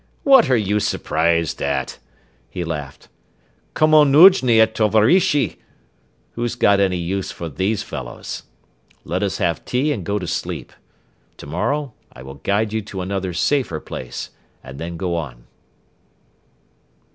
"What are you surprised at?" he laughed. "Komu nujny eti tovarischi? Who's got any use for these fellows? Let us have tea and go to sleep. Tomorrow I will guide you to another safer place and then go on."